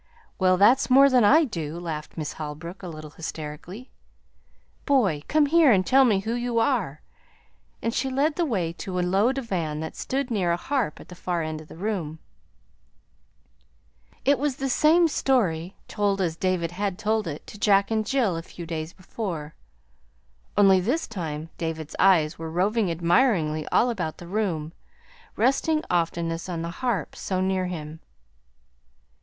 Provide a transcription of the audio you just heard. well, that's more than I do" laughed Miss Holbrook, a little hysterically. "Boy, come here and tell me who you are." And she led the way to a low divan that stood near a harp at the far end of the room. It was the same story, told as David had told it to Jack and Jill a few days before, only this time David's eyes were roving admiringly all about the room, resting oftenest on the harp so near him.